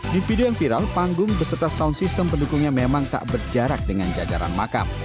di video yang viral panggung beserta sound system pendukungnya memang tak berjarak dengan jajaran makam